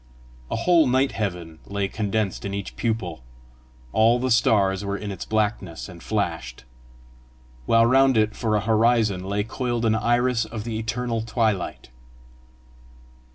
A whole night heaven lay condensed in each pupil; all the stars were in its blackness, and flashed; while round it for a horizon lay coiled an iris of the eternal twilight.